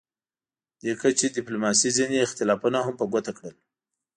دې کچې ډیپلوماسي ځینې اختلافونه هم په ګوته کړل